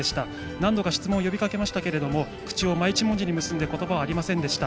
何度か質問を呼びかけましたけれども口を真一文字に結んで言葉はありませんでした。